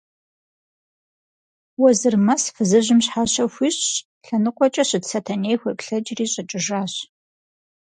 Уэзырмэс фызыжьым щхьэщэ хуищӀщ, лъэныкъуэкӀэ щыт Сэтэней хуеплъэкӀри, щӀэкӀыжащ.